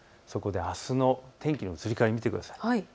あすの天気の移り変わりを見てください。